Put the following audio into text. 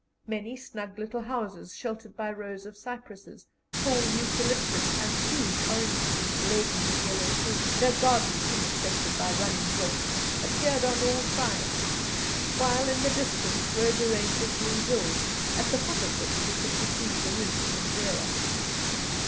Many snug little houses, sheltered by rows of cypress, tall eucalyptus and huge orange trees laden with yellow fruit, their gardens intersected by running brooks, appeared on all sides; while in the distance rose a range of blue hills, at the foot of which we could perceive the roofs of Zeerust.